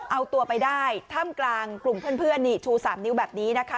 เอาตัวไปได้ท่ามกลางกลุ่มเพื่อนนี่ชู๓นิ้วแบบนี้นะคะ